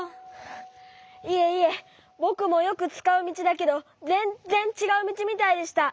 いえいえぼくもよくつかうみちだけどぜんっぜんちがうみちみたいでした。